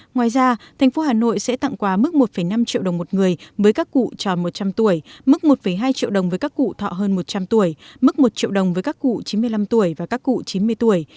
ngoài ra thành phố hà nội sẽ tặng quà mức một năm triệu đồng một người với các cụ tròn một trăm linh tuổi mức một hai triệu đồng với các cụ thọ hơn một trăm linh tuổi mức một triệu đồng với các cụ chín mươi năm tuổi và các cụ chín mươi tuổi